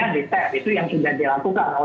atau misalnya kalau misalnya mau lakukan secara digital